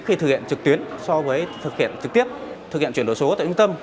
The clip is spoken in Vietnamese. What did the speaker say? khi thực hiện trực tuyến so với thực hiện trực tiếp thực hiện chuyển đổi số tại trung tâm